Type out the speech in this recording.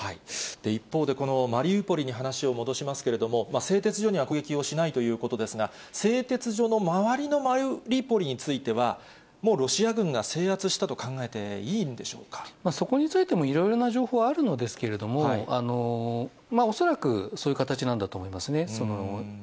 一方で、このマリウポリに話を戻しますけれども、製鉄所には攻撃をしないということですが、製鉄所の周りのマリウポリについては、もうロシア軍が制圧したとそこについてもいろいろな情報はあるのですけれども、恐らくそういう形なんだろうと思いますね。